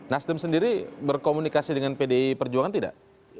nasdem sendiri berkomunikasi dengan pdi perjuangan tidak